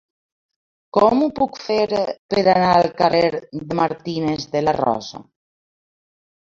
Com ho puc fer per anar al carrer de Martínez de la Rosa?